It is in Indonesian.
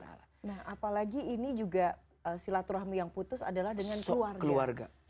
nah apalagi ini juga silaturahmi yang putus adalah dengan keluarga